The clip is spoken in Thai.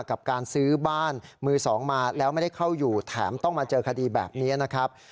กับการซื้อบ้านมือสองมาแล้วไม่ได้เข้าอยู่แถมต้องมาเจอคดีแบบนี้นะครับ